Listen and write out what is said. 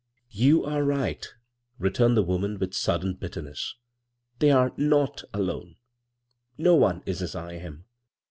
" You are right," returned the woman with sudden bitterness. "They are «o; alone. No one is as I am.